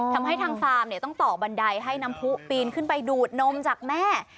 ทำให้ทางฟาร์มต้องต่อบันไดให้น้ำผู้ปีนขึ้นไปดูดนมจากแม่